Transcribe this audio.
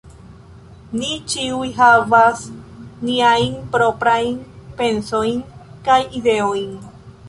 Ni ĉiuj havas niajn proprajn pensojn kaj ideojn.